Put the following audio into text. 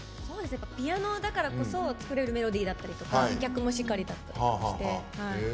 ピアノだからこそ作れるメロディーだったりとか逆もしかりだったりして。